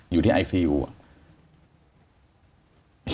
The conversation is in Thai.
อยู่ที่ไอซียู